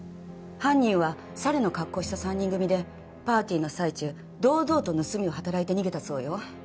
犯人は猿の格好をした三人組でパーティーの最中堂々と盗みを働いて逃げたそうよ